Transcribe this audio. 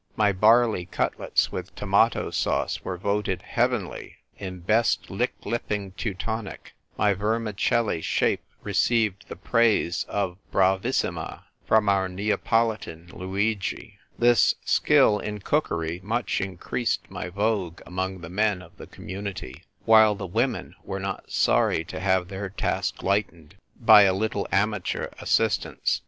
My barley cutlets with tomato sauce were voted " heavenly " in best lip licking Teutonic; my vermicelli shape received the praise of "bravissima" from our Neapolitan Luigi. This skill in cookery much increased my vogue among the men of the Community ; while the women were not sorry to have their task lightened by a little amateur assistance.